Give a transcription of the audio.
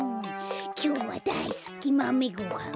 きょうはだいすきまめごはん！